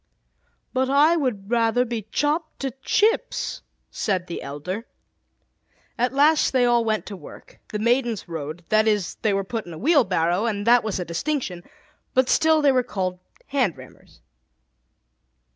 "But I would rather be chopped to chips," said the elder. At last they all went to work. The Maidens rode that is, they were put in a wheelbarrow, and that was a distinction; but still they were called "hand rammers."